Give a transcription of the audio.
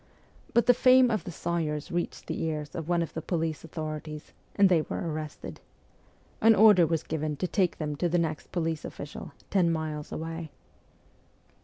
But the fame of the sawyers reached the ears of one of the police authorities, and they were arrested. An order was given to take them to the next police official, ten miles away.